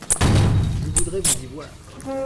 Je voudrais vous y voir.